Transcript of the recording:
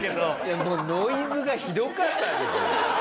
もうノイズがひどかったですよ。